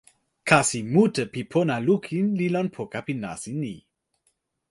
kasi mute pi pona lukin li lon poka pi nasin ni.